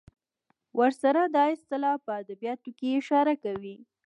ورسره دا اصطلاح په ادبیاتو کې اشاره کوي.